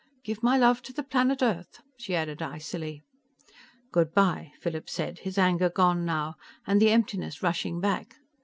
"Give my love to the planet Earth," she added icily. "Good by," Philip said, his anger gone now, and the emptiness rushing back.